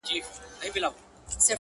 هبتو ځواب کړ چي د ډار او ويري ډول